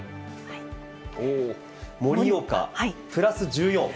盛岡、プラス１４。